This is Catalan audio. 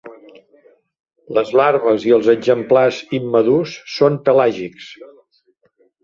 Les larves i els exemplars immadurs són pelàgics.